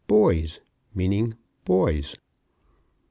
boys, meaning "boys."